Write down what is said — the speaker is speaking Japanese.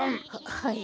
はい？